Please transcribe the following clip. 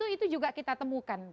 itu juga kita temukan